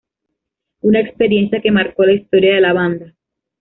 Una experiencia que marcó la historia de la banda.